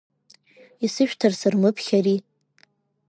Исышәҭар сырмыԥхьари!